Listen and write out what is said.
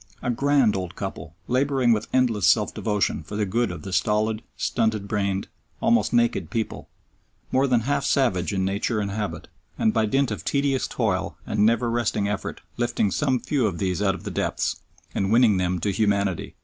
A grand old couple labouring with endless self devotion for the good of the stolid, stunted brained, almost naked people, more than half savage in nature and habit, and by dint of tedious toil and never resting effort lifting some few of these out of the depths, and winning them to humanity.